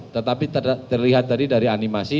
tetapi terlihat tadi dari animasi